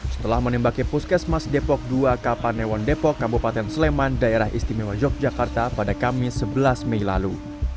setelah menembaki puskesmas depok dua kapanewon depok kabupaten sleman daerah istimewa yogyakarta pada kamis sebelas mei lalu